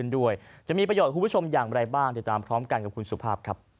เดียวตามพร้อมกันกับคุณสุภาพครับ